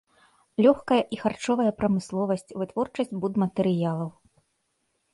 Лёгкая і харчовая прамысловасць, вытворчасць будматэрыялаў.